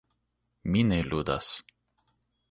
Mi ne ludas.